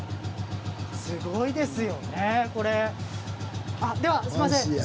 すごいですよね。